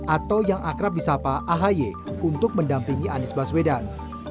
atau yang akrab di sapa ahy untuk mendampingi anies baswedan